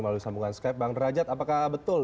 melalui sambungan skype bang derajat apakah betul